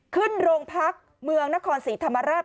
ขึ้นรงพรรคเมืองณฆนศรีธรรมราช